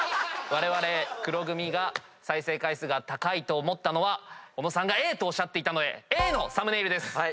われわれ黒組が再生回数が高いと思ったのは尾野さんがＡとおっしゃったのでＡのサムネイルです。